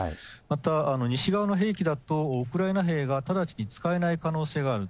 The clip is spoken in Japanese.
また、西側の兵器だとウクライナ兵が直ちに使えない可能性がある。